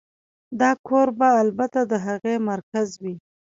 دا کور به البته د هغې مرکز وي